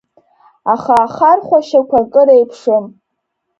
Аха ахархәашьақәа акыр еиԥшым.